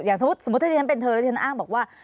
อย่างสมมุติถ้าเธอนั้นเป็นเธอแล้วเธอนั้นอ้างบอกว่า